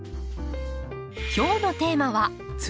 今日のテーマは「土」。